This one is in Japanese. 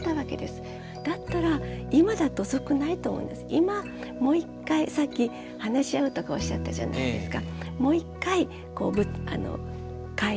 今もう一回さっき話し合うとかおっしゃったじゃないですか。